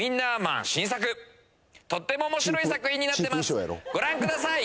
とっても面白い作品になってますご覧ください